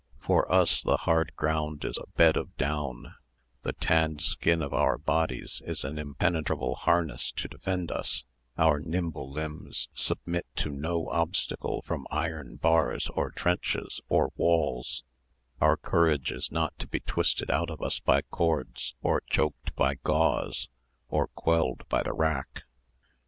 For us the hard ground is a bed of down; the tanned skin of our bodies is an impenetrable harness to defend us; our nimble limbs submit to no obstacle from iron bars, or trenches, or walls; our courage is not to be twisted out of us by cords, or choked by gauze, or quelled by the rack.